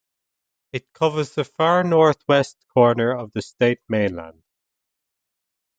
It covers the far north-west corner of the state mainland.